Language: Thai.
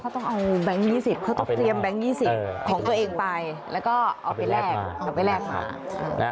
เขาต้องเตรียมแบงค์๒๐ของตัวเองไปแล้วก็เอาไปแลกมา